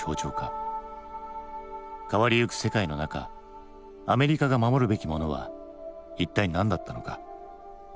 変わりゆく世界の中アメリカが守るべきものは一体何だったのか？